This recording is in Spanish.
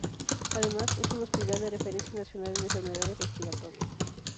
Además es un hospital de referencia nacional en enfermedades respiratorias.